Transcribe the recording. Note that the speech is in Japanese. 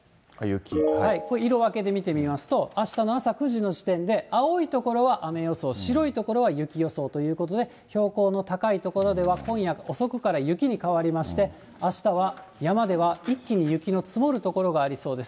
これ、色分けで見てみますと、あしたの朝９時の時点で、青い所は雨予想、白い所は雪予想ということで、標高の高い所では今夜遅くから雪に変わりまして、あしたは山では一気に雪の積もる所がありそうです。